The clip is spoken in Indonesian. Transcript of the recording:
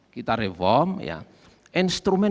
kita reform ya instrumen